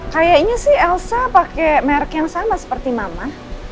kayaknya sih elsa pakai merek yang sama seperti mama